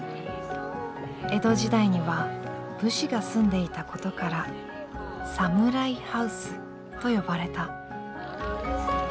江戸時代には武士が住んでいたことからサムライハウスと呼ばれた。